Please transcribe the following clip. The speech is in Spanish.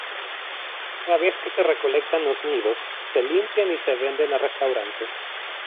Una vez que se recolectan los nidos, se limpian y se venden a restaurantes.